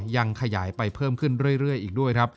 ยังขยายไปเพิ่มขึ้นเรื่อยอีกด้วยครับ